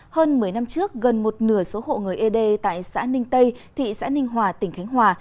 hơn một mươi năm trước gần một nửa số hộ người ế đê tại xã ninh tây thị xã ninh hòa tỉnh khánh hòa